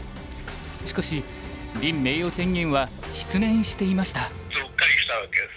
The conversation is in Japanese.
しかし林名誉天元は失念していました。